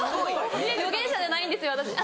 預言者じゃないんですよ私。